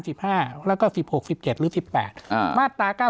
แล้วก็สิบหกสิบเจ็ดหรือสิบแปดอ่ามาตราเก้า